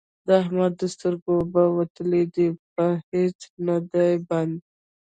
د احمد د سترګو اوبه وتلې دي؛ په هيڅ نه دی بند،